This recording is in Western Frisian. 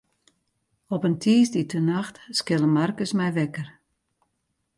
Op in tiisdeitenacht skille Markus my wekker.